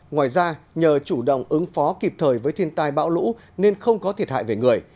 ngoài ra nhờ chủ động ứng phó kịp thời với thiên tai bão lũ nên không có thiệt hại về người